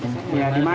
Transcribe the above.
ya di mana didapat